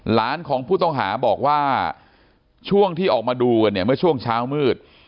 หลานของผู้ต้องหาบอกว่าช่วงที่ออกมาดูกันเนี่ยเมื่อช่วงเช้ามืด